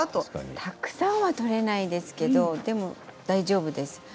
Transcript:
たくさんは取れないんですけどでも大丈夫です。